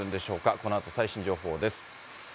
このあと最新情報です。